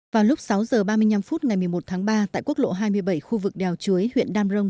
vào lúc sáu h ba mươi năm phút ngày một mươi một tháng ba tại quốc lộ hai mươi bảy khu vực đèo chuối huyện đam rông